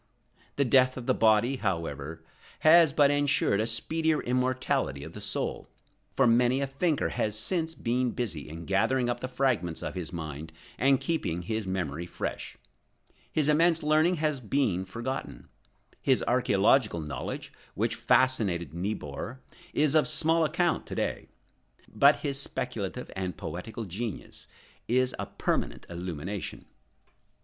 The death of the body, however, has but ensured a speedier immortality of the soul; for many a thinker has since been busy in gathering up the fragments of his mind and keeping his memory fresh. His immense learning has been forgotten. His archæological knowledge, which fascinated Niebuhr, is of small account to day. But his speculative and poetical genius is a permanent illumination.